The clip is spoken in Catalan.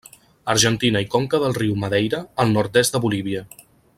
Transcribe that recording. Argentina i conca del riu Madeira al nord-est de Bolívia.